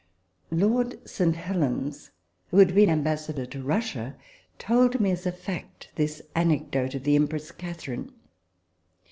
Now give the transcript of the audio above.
" Lord St. Helens (who had been ambassador to Russia) told me, as a fact, this anecdote of the Empress Catherine.